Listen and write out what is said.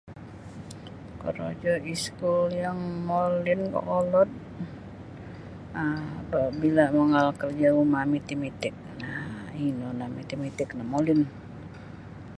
Korojo iskul yang molin kolod um bila mangaal da korojo rumah Matematik um ino nio Matematik no molin.